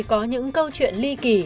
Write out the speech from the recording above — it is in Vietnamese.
có những câu chuyện ly kỳ